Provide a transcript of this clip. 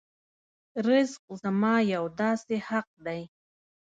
رزق زما یو داسې حق دی.